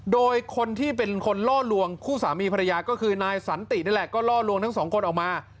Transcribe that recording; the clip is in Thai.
โดยคนที่เป็นคนล่อลวงคู่สามีภรรยาก็คือนายสันตินี่แหละก็ล่อลวงทั้งสองคนออกมา